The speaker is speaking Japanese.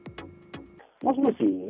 もしもし。